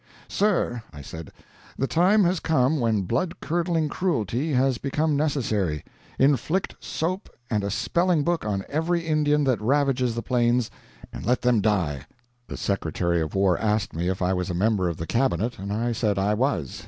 "Sir," I said, "the time has come when blood curdling cruelty has become necessary. Inflict soap and a spelling book on every Indian that ravages the Plains, and let them die!" The Secretary of War asked me if I was a member of the Cabinet, and I said I was.